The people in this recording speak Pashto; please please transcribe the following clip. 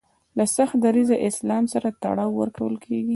له سخت دریځه اسلام سره تړاو ورکول کیږي